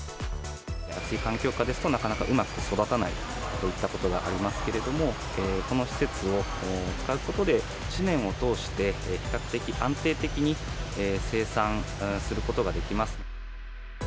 暑い環境下ですと、なかなかうまく育たないといったことがありますけれども、この施設を使うことで、一年を通して比較的、安定的に生産することができます。